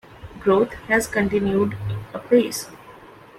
Growth has continued apace.